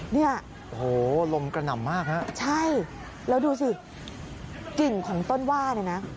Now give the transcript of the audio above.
เนี่ยโอ้โหลมกระหน่ำมากฮะใช่แล้วดูสิกิ่งของต้นว่าเนี่ยนะ